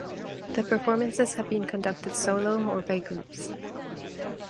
The performances have been conducted solo or by groups.